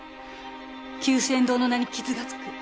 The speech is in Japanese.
久泉堂の名に傷がつく。